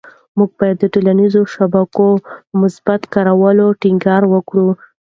موږ باید د ټولنيزو شبکو په مثبت کارولو ټینګار وکړو.